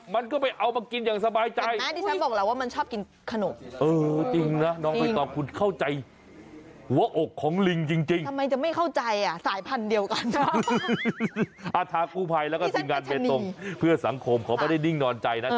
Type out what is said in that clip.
เพื่อสังคมทางเค้าไม่ได้ทริ่งนอนใจนะ